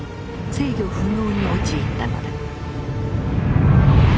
制御不能に陥ったのだ。